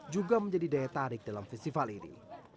juga menjadi daya tarik dalam festival ini